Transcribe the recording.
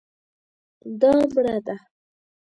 دا مړه ده